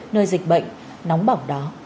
nơi dịch bệnh nóng bỏng đó